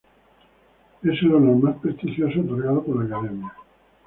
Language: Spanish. Es el honor más prestigioso otorgado por la Academia.